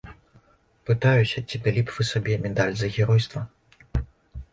Пытаюся, ці далі б вы сабе медаль за геройства?